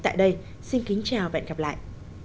tại đây xin kính chào và hẹn gặp lại